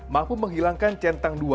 mampu menghilangkan centang dua